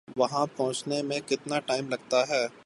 وہاں پہنچنے میں کتنا ٹائم لگتا ہے؟